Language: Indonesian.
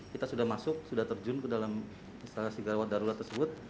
kita sudah masuk sudah terjun ke dalam instalasi gawat darurat tersebut